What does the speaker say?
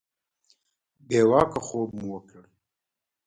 بې واکه خوب مو وکړ.